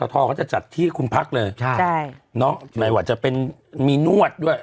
ปัทททอจะจัดที่คุณภักดิ์เลยใช่ใหนว่าจะเป็นมีนวดด้วย